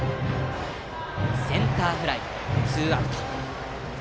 センターフライ、ツーアウト。